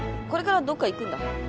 これからどっか行くんだ？